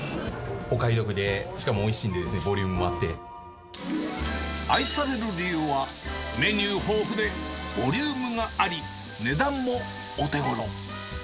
お買い得で、しかもおいしい愛される理由は、メニュー豊富でボリュームがあり、値段もお手ごろ。